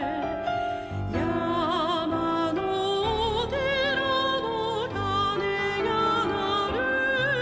「やまのおてらのかねがなる」